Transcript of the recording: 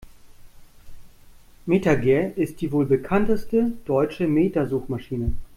MetaGer ist die wohl bekannteste deutsche Meta-Suchmaschine.